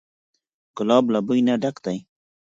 ګلاب له بوی نه ډک دی.